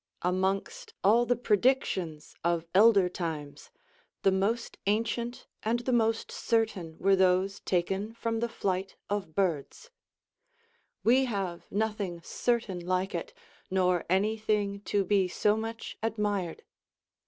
Amongst all the predictions of elder times, the most ancient and the most certain were those taken from the flight of birds; we have nothing certain like it, nor any thing to be so much admired.